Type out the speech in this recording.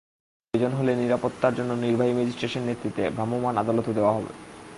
প্রয়োজন হলে নিরাপত্তার জন্য নির্বাহী ম্যাজিস্ট্রেটের নেতৃত্বে ভ্রাম্যমাণ আদালতও দেওয়া যাবে।